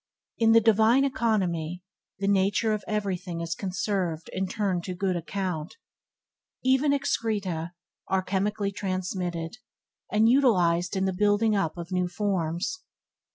In the divine economy my Nature everything is conserved and turned to good account. Even excreta are chemically transmitted, and utilized in the building up of new forms.